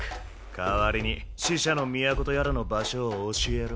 代わりに死者の都とやらの場所を教えろ。